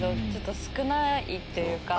少ないっていうか。